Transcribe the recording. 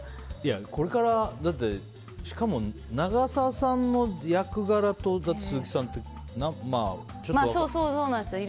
これからしかも長澤さんの役柄と鈴木さんってちょっとね。